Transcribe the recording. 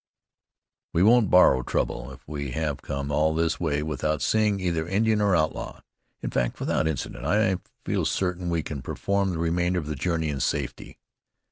"We won't borrow trouble. If we have come all this way without seeing either Indian or outlaw in fact, without incident I feel certain we can perform the remainder of the journey in safety."